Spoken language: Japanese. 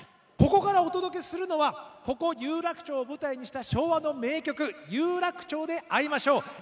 ここからお届けするのはここ有楽町を舞台にした昭和の名曲「有楽町で逢いましょう」